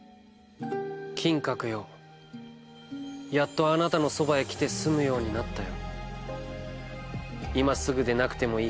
「金閣よやっとあなたのそばへ来て住むようになったよ」。